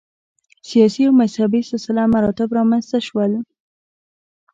سیاسي او مذهبي سلسله مراتب رامنځته شول.